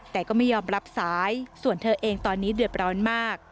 แต่ก็ไม่ยอมรับสายส่วนเธอเองตอนนี้เดือดร้อนมาก